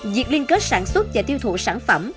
việc liên kết sản xuất và tiêu thụ sản phẩm